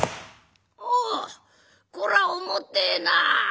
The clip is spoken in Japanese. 「おおこら重てえな」。